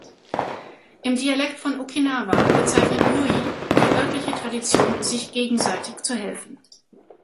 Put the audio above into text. Im Dialekt von Okinawa bezeichnet „yui“ die örtliche Tradition, sich gegenseitig zu helfen.